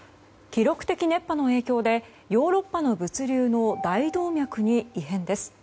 記録的熱波の影響でヨーロッパの物流の大動脈に異変です。